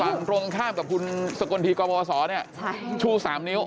ฝั่งตรงข้ามกับคุณสกลทีกวศชู๓นิ้ว